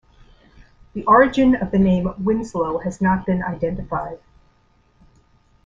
The origin of the name Winslow has not been identified.